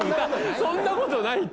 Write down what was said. そんなことないって。